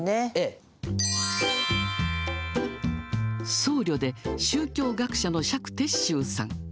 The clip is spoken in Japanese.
僧侶で、宗教学者の釈徹宗さん。